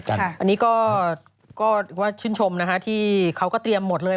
อันนี้ชื่นชมที่เขาก็เตรียมจะหมดเลย